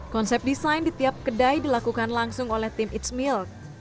konsep desain di tiap kedai dilakukan langsung oleh tim eats milk